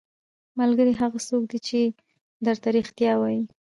ملګری هغه څوک دی چې درته رښتیا وايي.